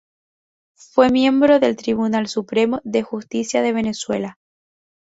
Fue miembro del Tribunal Supremo de Justicia de Venezuela.